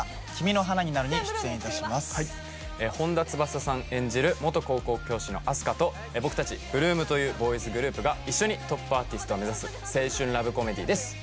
演じる元高校教師のあす花と僕達８ＬＯＯＭというボーイズグループが一緒にトップアーティストを目指す青春ラブコメディーです